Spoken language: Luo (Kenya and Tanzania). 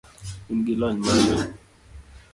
in gi lony mane?